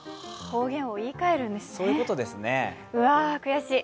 方言を言いかえるんですね、悔しい。